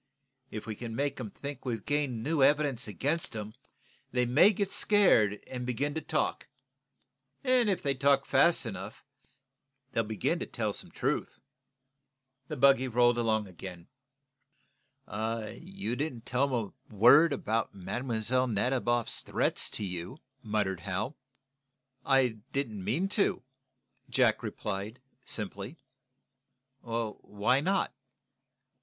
If we can make 'em think we've gained new evidence against 'em, they may get scared and begin to talk. If they talk fast enough, they'll begin to tell some truth." The buggy rolled along again. "You didn't tell them a word about Mlle. Nadiboff's threats to you," muttered Hal. "I didn't mean to," Jack replied, simply. "Why not?"